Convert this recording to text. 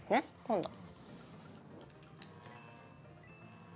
今度。